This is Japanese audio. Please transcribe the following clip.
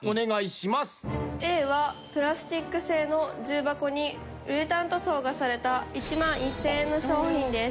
Ａはプラスチック製の重箱にウレタン塗装がされた１万１０００円の商品です。